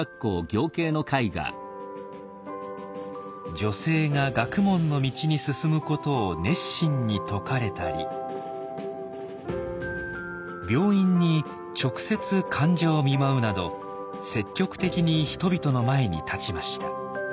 女性が学問の道に進むことを熱心に説かれたり病院に直接患者を見舞うなど積極的に人々の前に立ちました。